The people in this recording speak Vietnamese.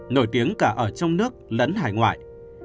nổi tiếng cả ở trong nước lẫn hải ngoại